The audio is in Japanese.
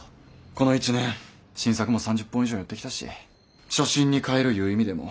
この１年新作も３０本以上やってきたし初心に返るいう意味でも。